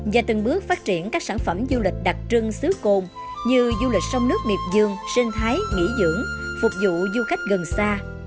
và từng bước phát triển các sản phẩm du lịch đặc trưng xứ cồn như du lịch sông nước miệp dương sinh thái nghỉ dưỡng phục vụ du khách gần xa